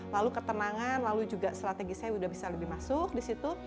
lalu ketenangan lalu juga strategi saya udah bisa lebih masuk disitu